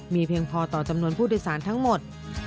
มีเพียงพอต่อจำนวนผู้โดยสารทั้งหมด